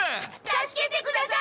助けてください！